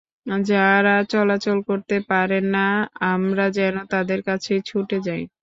যাঁরা চলাচল করতে পারেন না, আমরা যেন তাঁদের কাছেই ছুটে যাই।